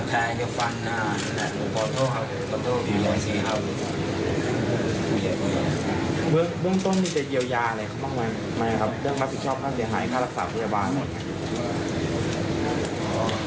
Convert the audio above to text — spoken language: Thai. เจ้าความภิกชอบค่าเสียหายค่ารักษาพยาบาล